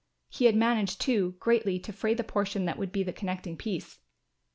He had managed, too, greatly to fray the portion that would be the connecting piece.